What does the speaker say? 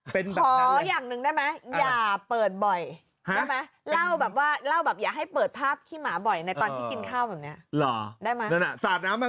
เป็นแบบนั้นเลยขออย่างนึงได้ไหมอย่าเปิดบ่อยได้ไหมเล่าแบบว่าอย่าให้เปิดภาพขี้หมาบ่อยในตอนที่กินข้าวแบบนี้